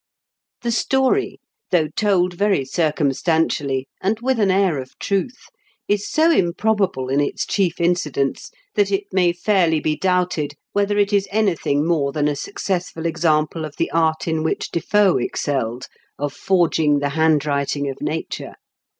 The story, though told very circum stantially, and with an air of truth, is so improbable in its chief incidents, that it may fairly be doubted whether it is anything more than a successful example of the art in which Defoe excelled of forging the handwriting of nature.